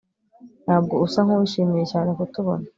Ntabwo usa nkuwishimiye cyane kutubona